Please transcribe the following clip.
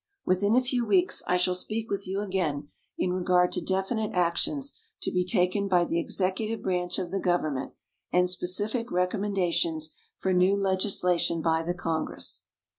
Within a few weeks I shall speak with you again in regard to definite actions to be taken by the executive branch of the government, and specific recommendations for new legislation by the Congress.